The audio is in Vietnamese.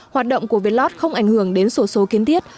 hoạt động của việt lot không ảnh hưởng đến sổ số kiến thiết